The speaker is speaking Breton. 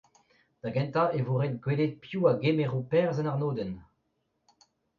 da gentañ e vo ret gwelet piz a gemero perzh en arnodenn.